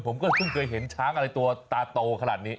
ผมก็เพิ่งเคยเห็นช้างอะไรตัวตาโตขนาดนี้